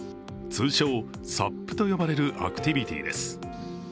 通称・ＳＵＰと呼ばれるアクティビティーです。